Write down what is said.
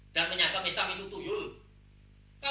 dan menyadar mistam itu tuh seorang bapak